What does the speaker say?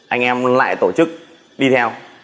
anh em lại tổ chức đi theo